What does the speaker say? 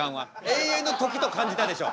永遠の時と感じたでしょ。